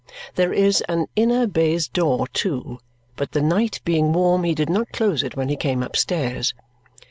There is an inner baize door, too, but the night being warm he did not close it when he came upstairs.